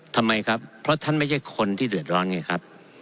ทำไมครับเพราะท่านไม่ใช่คนที่เดือดร้อนไงครับ